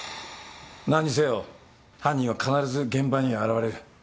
何にせよ犯人は必ず現場に現れる。